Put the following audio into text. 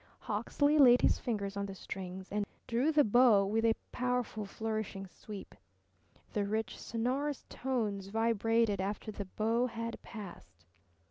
Hawksley laid his fingers on the strings and drew the bow with a powerful flourishing sweep. The rich, sonorous tones vibrated after the bow had passed.